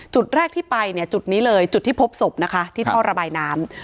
จุดแรกที่ไปเนี่ยจุดนี้เลยจุดที่พบศพนะคะที่ท่อระบายน้ำ